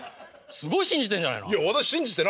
すごい信じてんじゃないのあなた。